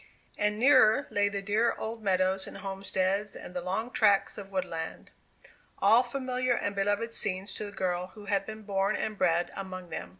And nearer lay the dearer old meadows and homesteads and the long tracts of woodland, all familiar and beloved scenes to the girl who had been born and bred among them.